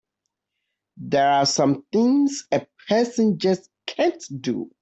There are some things a person just can't do!